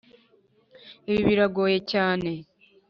ibi biragoye cyane.